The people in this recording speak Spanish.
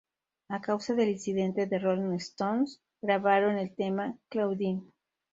A causa del incidente The Rolling Stones grabaron el tema "Claudine".